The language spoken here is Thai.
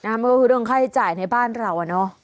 มันก็คือเรื่องค่าใช้จ่ายในบ้านเรา